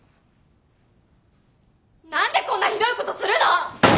何でこんなひどいことするの？